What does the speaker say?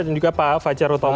dan juga pak fajar otomo